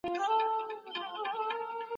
زموږ څېړني د نړیوالو هغو څخه کمې ندي.